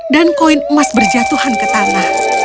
dan koin emas berjatuhan ke tanah